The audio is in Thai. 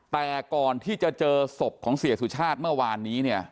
แต่ก่อนที่จะเจอศพของเสียสุชาติเมื่อวานนี้เนี่ย